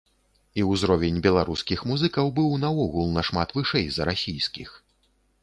І ўзровень беларускіх музыкаў быў наогул нашмат вышэй за расійскіх.